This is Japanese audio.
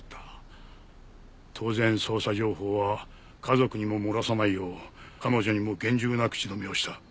当然捜査情報は家族にも漏らさないよう彼女にも厳重な口止めをした。